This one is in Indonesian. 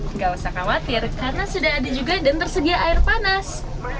nggak usah khawatir karena sudah ada juga dan tersedia air panas